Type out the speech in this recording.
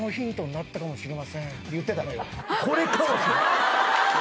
これかもしれん。